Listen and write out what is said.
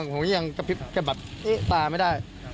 ผมยังกระพริบแบบตาไม่ได้